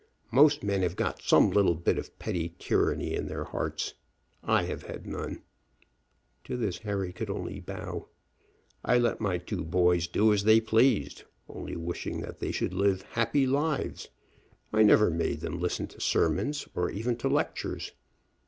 Most men have got some little bit of petty tyranny in their hearts. I have had none." To this Harry could only bow. "I let my two boys do as they pleased, only wishing that they should lead happy lives. I never made them listen to sermons, or even to lectures.